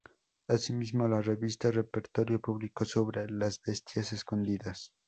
Así mismo, la revista Repertorio publicó su obra: "Las bestias escondidas".